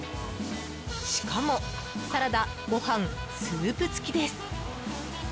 しかもサラダ・ご飯・スープつきです。